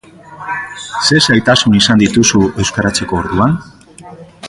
Zer zailtasun izan dituzu euskaratzeko orduan?